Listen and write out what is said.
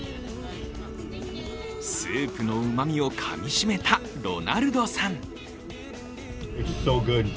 スープのうまみをかみしめたロナルドさん。